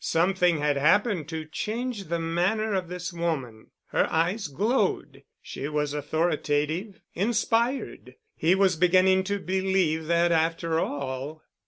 Something had happened to change the manner of this woman. Her eyes glowed—she was authoritative—inspired. He was beginning to believe that after all...